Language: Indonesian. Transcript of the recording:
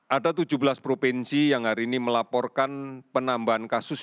ada tujuh belas provinsi yang hari ini melaporkan penambahan kasus